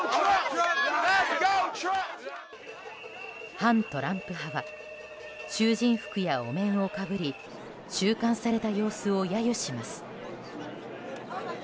反トランプ派は囚人服や、お面をかぶり収監された様子を揶揄します。